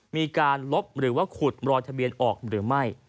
มีการลบหรือว่าขุดรอยทะเบียนออกหรือไม่